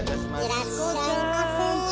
いらっしゃいませ。